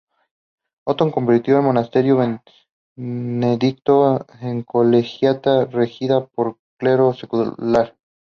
Otón convirtió el monasterio benedictino en Colegiata regida por clero secular.